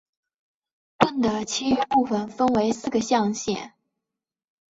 盾的其余部分分为四个象限。